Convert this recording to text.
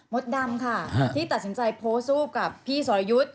ดำค่ะที่ตัดสินใจโพสต์รูปกับพี่สรยุทธ์